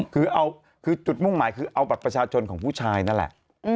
คือเอาคือจุดมุ่งหมายคือเอาบัตรประชาชนของผู้ชายนั่นแหละ